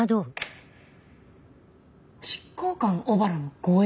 執行官小原の護衛？